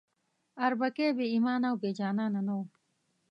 اربکی بې ایمانه او بې جانانه نه وو.